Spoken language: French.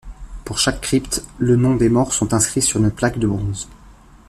Pour chaque crypte les noms des morts sont inscrits sur une plaque de bronze.